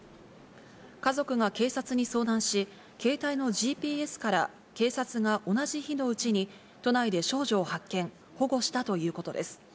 家族が警察に相談し、携帯のＧＰＳから警察が同じ日のうちに都内で少女を発見・保護したということです。